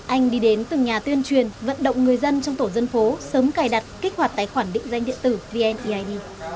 anh đi đến từng nhà tuyên truyền vận động người dân trong tổ dân phố sớm cài đặt kích hoạt tài khoản định danh điện tử vneid